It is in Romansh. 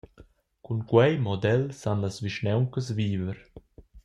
Cun quei model san las vischnauncas viver.